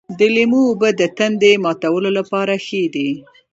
د لیمو اوبه د تندې ماتولو لپاره ښې دي.